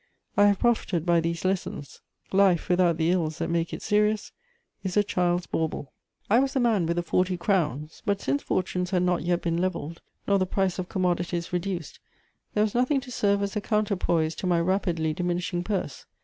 I have profited by these lessons: life, without the ills that make it serious, is a child's bauble. * I was the man with the forty crowns; but since fortunes had not yet been levelled, nor the price of commodities reduced, there was nothing to serve as a counterpoise to my rapidly diminishing purse.